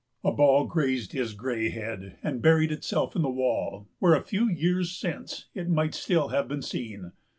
A ball grazed his gray head, and buried itself in the wall, where a few years since it might still have been seen.